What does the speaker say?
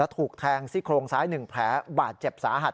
และถูกแทงซิกรงซ้าย๑แผลบาดเจ็บสาหัส